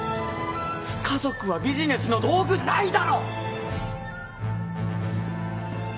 家族はビジネスの道具じゃないだろ！